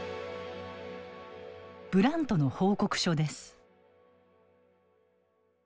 ブラントの報告書です。